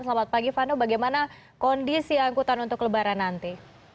selamat pagi vano bagaimana kondisi angkutan untuk lebaran nanti